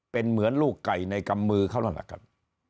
เป็นเหมือนลูกไก่ในกำมือเขานั่นแหละครับ